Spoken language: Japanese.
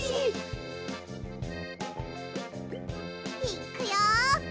いっくよ！